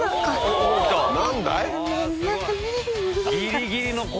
ギリギリの攻防。